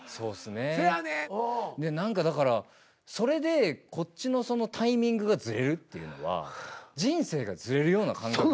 何かだからそれでこっちのタイミングがずれるっていうのは人生がずれるような感覚が。